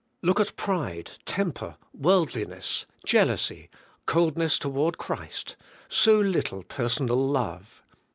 Look at pride, temper, worldliness, jealousy, coldness toward Christ, so little personal love.